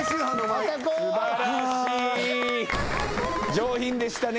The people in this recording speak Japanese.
上品でしたね